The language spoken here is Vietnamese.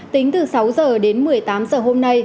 tính từ sáu h đến một mươi tám giờ hôm nay